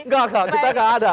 enggak kok kita gak ada